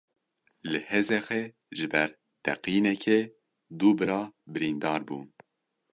Li Hezexê ji ber teqînekê du bira birîndar bûn.